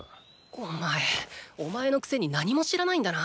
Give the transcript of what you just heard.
お前お前のくせに何も知らないんだな。